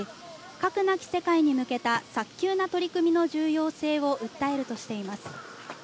核なき世界に向けた早急な取り組みの重要性を訴えるとしています。